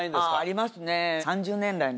ありますね。